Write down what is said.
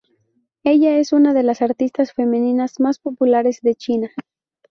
Ella es una de las artistas femeninas más populares de China.